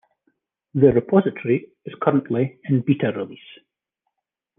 The repository is currently in beta release.